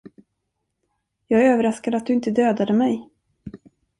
Jag är överraskad att du inte dödade mig.